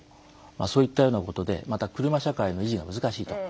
そういったようなことでまた車社会の維持が難しいと。